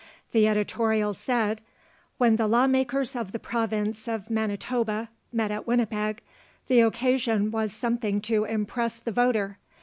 The editorial said: "When the lawmakers of the province of Manitoba met at Winnipeg, the occasion was something to impress the voter.